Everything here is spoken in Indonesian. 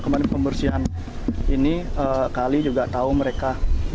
kemarin pembersihan ini kali juga tahu mereka